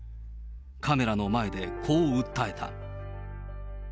カメラの前でこう訴えた。